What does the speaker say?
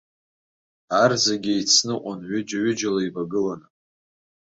Ар зегьы еицныҟәон, ҩыџьа-ҩыџьала еивагыланы.